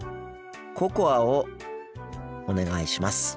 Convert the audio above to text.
ココアをお願いします。